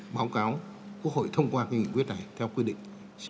báo cáo quốc hội thông qua cái nghị quyết này theo quy định